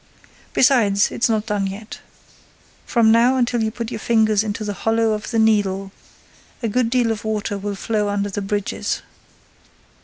Besides, it's not done yet. From now until you put your finger into the hollow of the Needle, a good deal of water will flow under the bridges.